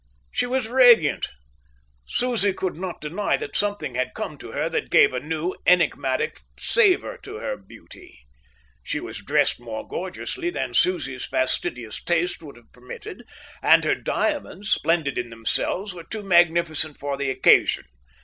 She was radiant. Susie could not deny that something had come to her that gave a new, enigmatic savour to her beauty. She was dressed more gorgeously than Susie's fastidious taste would have permitted; and her diamonds, splendid in themselves, were too magnificent for the occasion.